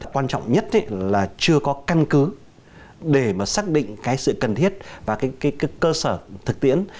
quan trọng nhất là chưa có căn cứ để xác định sự cần thiết và cơ sở thực tiễn